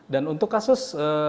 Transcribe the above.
dan untuk kasus